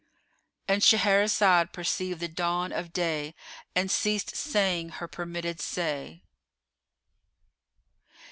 ——And Shahrazad perceived the dawn of day and ceased saying her permitted say.